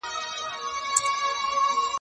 ما پرون د ښوونځي کتابونه مطالعه وکړ!!